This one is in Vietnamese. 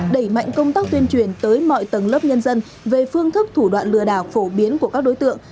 đẩy mạnh công tác tuyên truyền tới mọi tầng lớp nhân dân về phương thức thủ đoạn lừa đảo phổ biến của các đối tượng